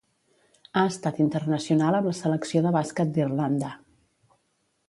Ha estat internacional amb la selecció de bàsquet d'Irlanda.